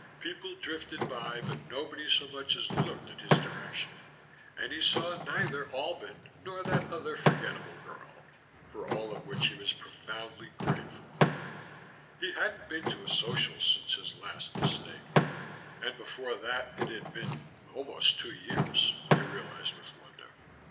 People drifted by but nobody so much as looked in his direction, and he saw neither Albin nor that other forgettable girl, for all of which he was profoundly grateful. He hadn't been to a Social since his last mistake, and before that it had been almost two years, he realized with wonder.